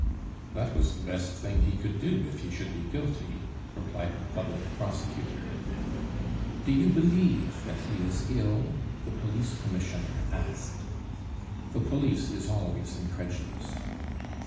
"That was the best thing he could do if he should be guilty," replied the public prosecutor. "Do you believe that he is ill?" the police commissioner asked. The police is always incredulous.